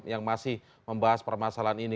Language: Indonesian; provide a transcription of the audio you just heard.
yang masih membahas permasalahan ini